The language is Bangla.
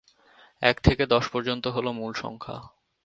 এক থেকে দশ পর্যন্ত হল মূল সংখ্যা।